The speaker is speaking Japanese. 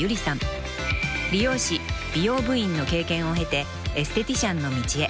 ［理容師美容部員の経験を経てエステティシャンの道へ］